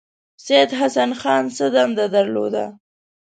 سید حسن خان څه دنده درلوده.